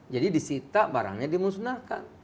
jadi disita barangnya dimusnahkan